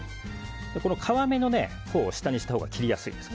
この皮目のほうを下にしたほうが切りやすいです。